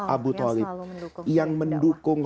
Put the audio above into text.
abu talib yang mendukung